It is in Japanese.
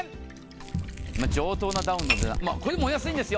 上等なダウンの値段、これでもお安いんですよ。